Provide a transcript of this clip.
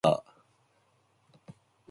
Boggs was born in New Brunswick, New Jersey.